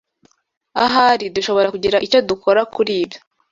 Ahari dushobora kugira icyo dukora kuri ibyo